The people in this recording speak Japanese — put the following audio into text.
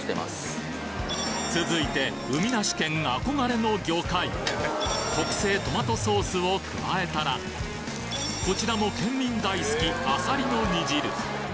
続いて海なし県の憧れの魚介特製トマトソースを加えたらこちらも県民大好きアサリの煮汁